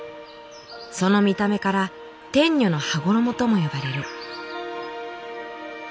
その見た目から「天女の羽衣」とも呼ばれる。